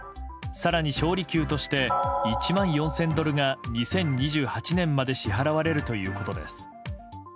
更に、勝利給として１万４０００ドルが２０２８年まで支払われるということです。